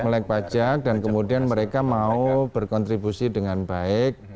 melek pajak dan kemudian mereka mau berkontribusi dengan baik